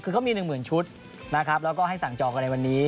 คือเขามี๑๐๐๐ชุดนะครับแล้วก็ให้สั่งจองกันในวันนี้